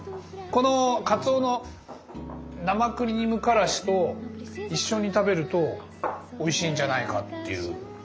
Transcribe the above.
このかつおの生クリームからしと一緒に食べるとおいしいんじゃないかっていう。